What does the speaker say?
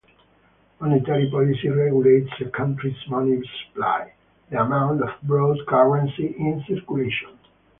Monetary policy regulates a country's money supply, the amount of broad currency in circulation.